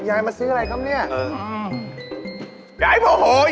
อาญายเอาเขามาแล้ว